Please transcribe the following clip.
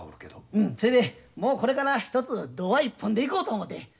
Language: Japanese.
うんそれでもうこれからひとつ童話一本でいこうと思て。